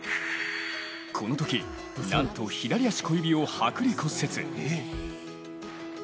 このとき、なんと左足小指を剥離骨折。